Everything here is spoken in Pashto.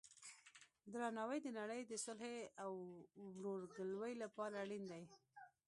درناوی د نړۍ د صلحې او ورورګلوۍ لپاره اړین دی.